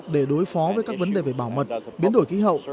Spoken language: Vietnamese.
để đối phó với các vấn đề về bảo mật biến đổi khí hậu